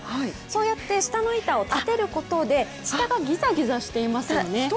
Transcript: そうやって下の板を立てることで、下がギザギザしていますよね